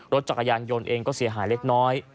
รถจักรยานยนต์เองก็เสียหายเล็กน้อย